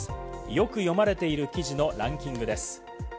よく読まれている記事のランキングです。